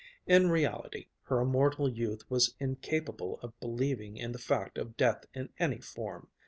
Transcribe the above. In reality, her immortal youth was incapable of believing in the fact of death in any form.